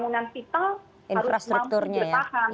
ya infrastrukturnya disiapkan